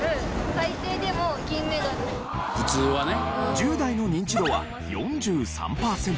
１０代のニンチドは４３パーセント。